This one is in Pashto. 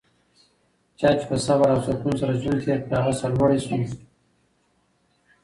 چا چي په صبر او سکون سره ژوند تېر کړ؛ هغه سرلوړی سو.